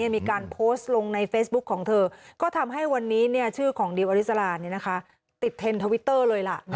มีการโพสต์ลงในเฟซบุ๊คของเธอก็ทำให้วันนี้ชื่อของดิวอริสราติดเทรนด์ทวิตเตอร์เลยล่ะ